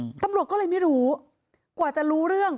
ตำรวจก็เลยไม่รู้กว่าจะรู้เรื่อง